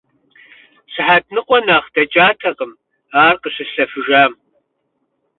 Сыхьэт ныкъуэ нэхъ дэкӀатэкъым ар къыщыслъэфыжам.